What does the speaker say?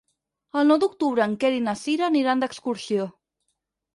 El nou d'octubre en Quer i na Cira aniran d'excursió.